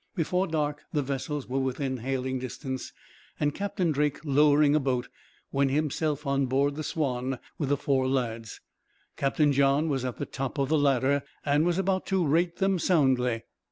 Before dark the vessels were within hailing distance, and Captain Drake, lowering a boat, went himself on board the Swanne with the four lads. Captain John was at the top of the ladder, and was about to rate them soundly.